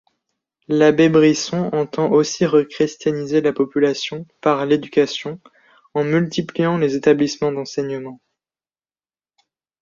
L’abbé Brisson entend aussi rechristianiser la population par l’éducation, en multipliant les établissements d’enseignement.